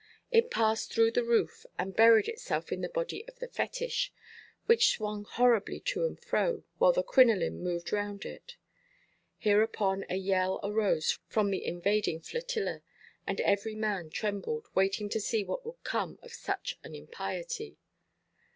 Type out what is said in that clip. It passed through the roof and buried itself in the body of the fetich, which swung horribly to and fro, while the crinoline moved round it. Hereupon a yell arose from the invading flotilla, and every man trembled, waiting to see what would come of such an impiety.